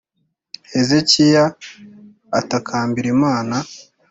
Hezekiya atakambira Imana